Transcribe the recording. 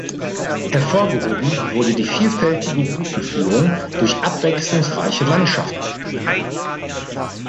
Hervorgehoben wurde die vielfältige Routenführung durch abwechslungsreiche Landschaften.